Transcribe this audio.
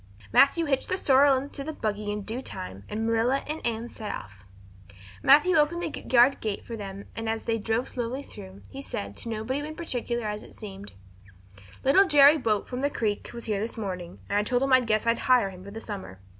Matthew hitched the sorrel into the buggy in due time and Marilla and Anne set off. Matthew opened the yard gate for them and as they drove slowly through, he said, to nobody in particular as it seemed: "Little Jerry Buote from the Creek was here this morning, and I told him I guessed I'd hire him for the summer."